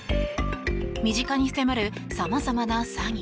身近に迫る、さまざまな詐欺。